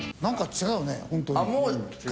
違うね。